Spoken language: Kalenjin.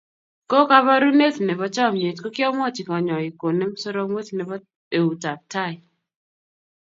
Ko kabarunet nebo chomyet kokiamwochi kanyoiik konem soromweet nebo eutab tai.